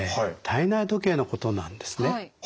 体内時計のことなんですね。